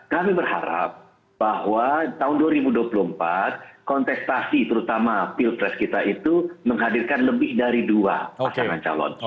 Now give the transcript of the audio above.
kami berharap bahwa tahun dua ribu dua puluh empat kontestasi terutama pilpres kita itu menghadirkan lebih dari dua pasangan calon